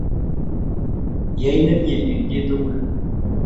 Yai nemie eng chii tugul